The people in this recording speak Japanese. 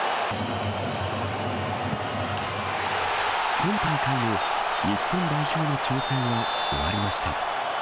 今大会の日本代表の挑戦は終わりました。